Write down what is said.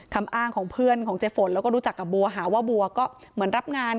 คำอ้างของเพื่อนของเจ๊ฝนแล้วก็รู้จักกับบัวหาว่าบัวก็เหมือนรับงาน